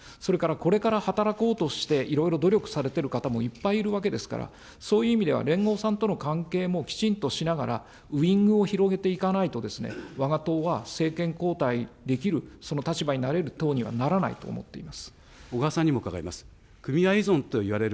それから、これから働こうとして、いろいろ努力されている方もいっぱいいるわけですから、そういう意味では連合さんとの関係もきちんとしながら、ウイングを広げていかないと、わが党は政権交代できる、その立場になれる党にはな小川さんにも伺います。